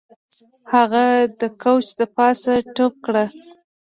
هغه د کوچ د پاسه ټوپ کړ